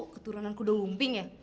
keturunan kuda lumping ya